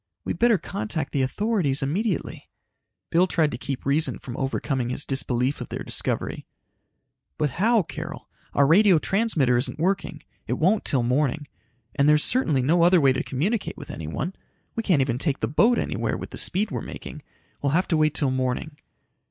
We'd better contact the authorities immediately!" Bill tried to keep reason from overcoming his disbelief of their discovery. "But how, Carol? Our radio transmitter isn't working. It won't till morning. And there's certainly no other way to communicate with anyone. We can't even take the boat anywhere with the speed we're making. We'll have to wait till morning."